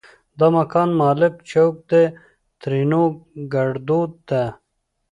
دا مکان مالک چوک ده؛ ترينو ګړدود